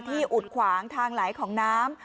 อุดขวางทางไหลของน้ำ